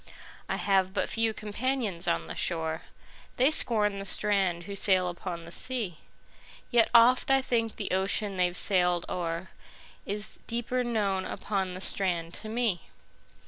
I have but few companions on the shore:They scorn the strand who sail upon the sea; Yet oft I think the ocean they've sailed o'erIs deeper known upon the strand to me.